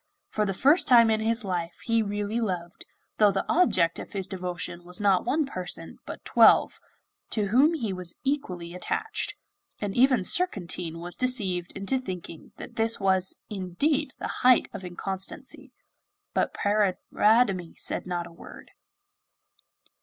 For the first time in his life he really loved, though the object of his devotion was not one person, but twelve, to whom he was equally attached, and even Surcantine was deceived into thinking that this was indeed the height of inconstancy. But Paridamie said not a word.